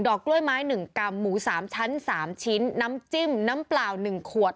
กล้วยไม้๑กรัมหมู๓ชั้น๓ชิ้นน้ำจิ้มน้ำเปล่า๑ขวด